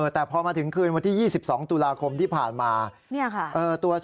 แต่พอมาถึงคืนวันที่๒๒ตุลาคมที่ผ่านมา